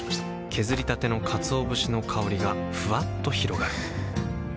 削りたてのかつお節の香りがふわっと広がるはぁ。